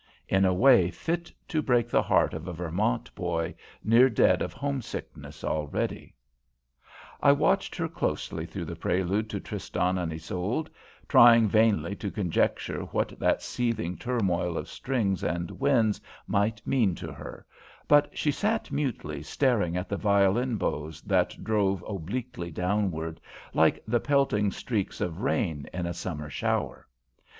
in a way fit to break the heart of a Vermont boy near dead of homesickness already. I watched her closely through the prelude to Tristan and Isolde, trying vainly to conjecture what that seething turmoil of strings and winds might mean to her, but she sat mutely staring at the violin bows that drove obliquely downward, like the pelting streaks of rain in a summer shower.